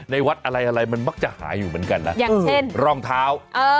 วัดอะไรอะไรมันมักจะหายอยู่เหมือนกันนะอย่างเช่นรองเท้า